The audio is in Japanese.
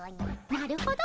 なるほど。